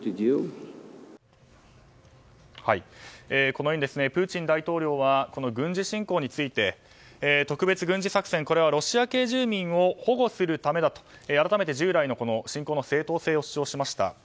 このようにプーチン大統領は軍事侵攻について、特別軍事作戦これはロシア系住民を保護するためだと改めて従来の侵攻の正当性を主張しました。